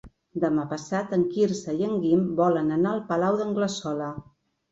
Demà passat en Quirze i en Guim volen anar al Palau d'Anglesola.